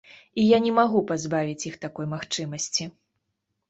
І я не магу пазбавіць іх такой магчымасці.